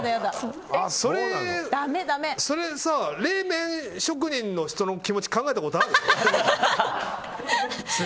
それさ、冷麺職人の人の気持ち考えたことある？